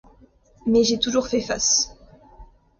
Mais j'ai toujours fait face.